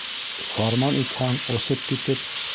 Фарман итһәң, осоп китеп